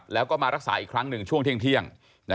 แล้วก็มารักษาอีกครั้งหนึ่งช่วงเที่ยง